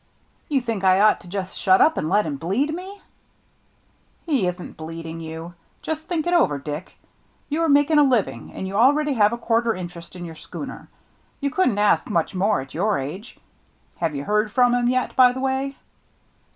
" You think I ought to just shut up and let him bleed me ?"" He isn't bleeding you. Just think it over, Dick. You are making a living, and you already have a quarter interest in your schooner. You couldn't ask much more at your age. Have you heard from him yet, by the way?"